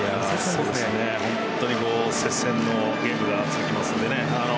本当に接戦のゲームが続きますので。